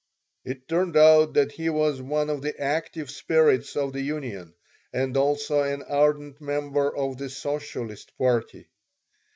It turned out that he was one of the active spirits of the union and also an ardent member of the Socialist party.